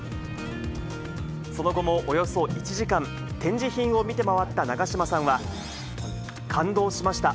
その後も、およそ１時間、展示品を見て回った長嶋さんは、感動しました。